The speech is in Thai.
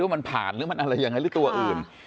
หรือว่ามันผ่านหรืออะไรอย่างนั้นหรือตัวอื่น